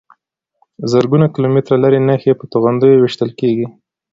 زرګونه کیلومتره لرې نښې په توغندیو ویشتل کېږي.